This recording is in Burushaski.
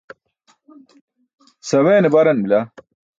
Saweene baran bila.